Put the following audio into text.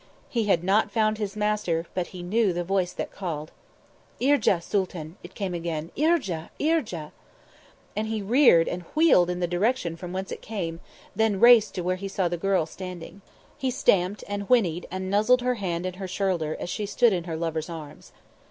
He had not found his master, but he knew the voice that called. "Irja Sooltan!" it came again. "Irja! Irja!" And he reared and wheeled in the direction from whence it came, then raced to where he saw the girl standing. He stamped, and whinnied, and nuzzled her hand and her shoulder as she stood in her lover's arms.